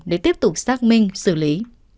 để tiếp tục xác minh xử lý